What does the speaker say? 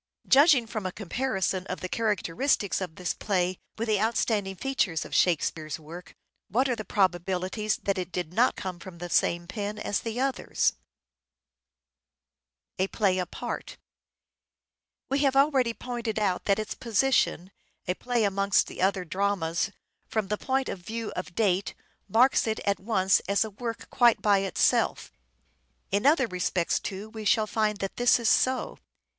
Judging from a comparison of the characteristics of this play with the outstanding features of Shakespeare's work, what are the probabilities that it did not come from the same pen as the others ? We have already pointed out that its position A play amongst the other dramas, from the point of view of aPart date, marks it at once as a work quite by itself. In other respects, too, we shall find that this is so.